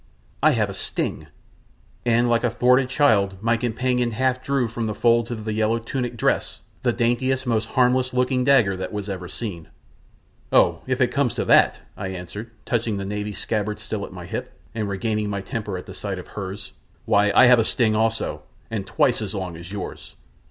I have a sting," and like a thwarted child my companion half drew from the folds of the yellow tunic dress the daintiest, most harmless looking little dagger that was ever seen. "Oh, if it comes to that," I answered, touching the Navy scabbard still at my hip, and regaining my temper at the sight of hers, "why, I have a sting also and twice as long as yours!